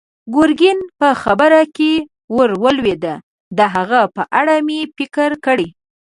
ګرګين په خبره کې ور ولوېد: د هغه په اړه مې فکر کړی.